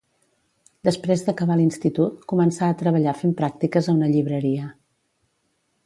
Després d'acabar l'institut, començà a treballar fent pràctiques a una llibreria.